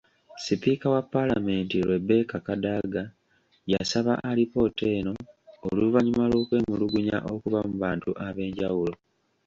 Sipiika wa Paalamenti Rebecca Kadaga yasaba alipoota eno oluvannyuma lw'okwemulugunya okuva mu bantu ab'enjawulo.